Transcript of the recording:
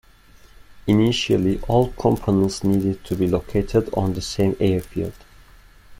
Initially, all components needed to be located on the same airfield.